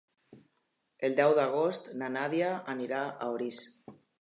El deu d'agost na Nàdia anirà a Orís.